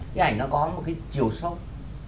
cái ảnh nó có một cái chiều sông